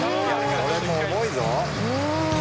これも重いぞ。